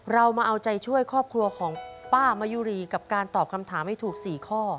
เรามาเอาใจช่วยครอบครัวของป้ามะยุรีกับการตอบคำถามให้ถูก๔ข้อ